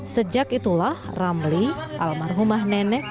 sejak itulah ramli almarhumah nenek